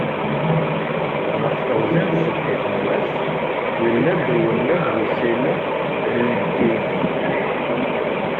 Ɣef teɣzi n tsebḥit n wass, yella-d uwelleh d usileɣ n yimekkiyen-a.